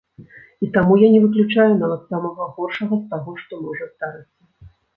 І таму я не выключаю нават самага горшага з таго, што можа здарыцца.